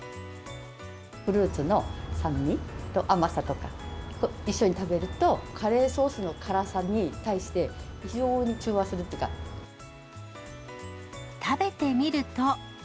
フルーツの酸味と、甘さとかと一緒に食べると、カレーソースの辛さに対して、非常に中和する食べてみると。